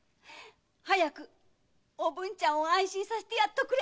早くおぶんちゃんを安心させてやっとくれ！